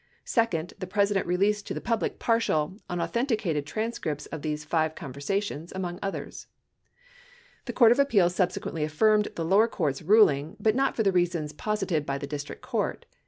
Second, the Presi dent released to the public partial, unauthenticated transcripts of these five conversations, among others. The Court of Appeals subsequently affirmed the lower court's ruling, but not for the reasons posited by the district court.